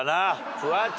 フワちゃん。